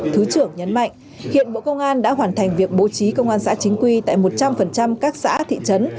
thứ trưởng nhấn mạnh hiện bộ công an đã hoàn thành việc bố trí công an xã chính quy tại một trăm linh các xã thị trấn